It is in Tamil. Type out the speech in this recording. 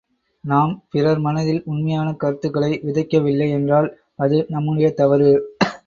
நாம் பிறர் மனதில் உண்மையான கருத்துக்களை விதைக்கவில்லை என்றால் அது நம்முடைய தவறு.